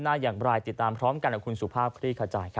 หน้าอย่างบรรยายติดตามพร้อมกันกับสุภาพพลีเขาจราค